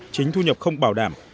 chính thu nhập không bảo đảm